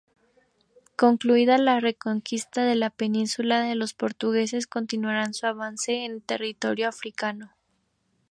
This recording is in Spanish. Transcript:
Concluida la reconquista de la península, los portugueses continuarán su avance en territorio africano.